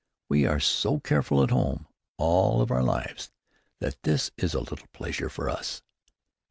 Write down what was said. We are so careful at home, all of our lives, that this is a little pleasure for us."